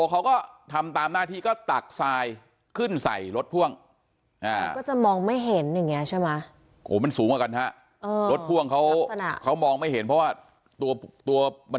ค่ะเขาก็ตัวกตัวกตัวกจนเต็มอืม